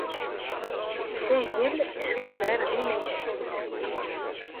Tessagel isubar d imaynuten ass-a.